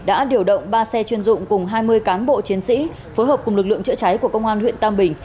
đã điều động ba xe chuyên dụng cùng hai mươi cán bộ chiến sĩ phối hợp cùng lực lượng chữa cháy của công an huyện tam bình